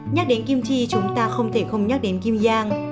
nhắc đến kim chi chúng ta không thể không nhắc đến kim giang